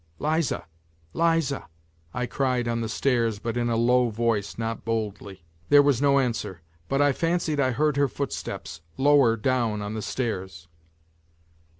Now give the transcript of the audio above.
" Liza ! Liza !" I cried on the stairs, but in a low voice, not boldly. There was no answer, but I fancied I heard her footsteps, lower down on the stairs.